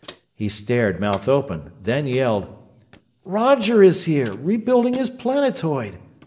He stared, mouth open, then yelled: "Roger is here, rebuilding his planetoid!